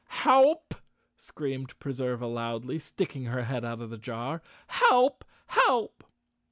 "Help!" screamed Preserva loudly, sticking her head out of the jar. "Help! Help!"